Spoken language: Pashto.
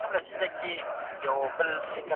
که درسونه په وخت پای ته ورسېږي، ستړیا نه زیاتېږي.